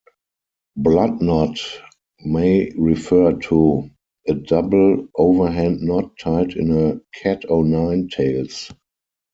"Blood knot" may refer to, "a double overhand knot tied in a cat-o'-nine-tails.